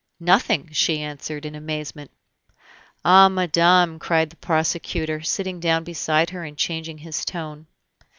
"Nothing!" she answered, in amazement. "Ah! madame," cried the prosecutor, sitting down beside her and changing his tone.